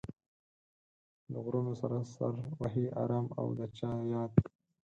له غرونو سره سر وهي ارام او د چا ياد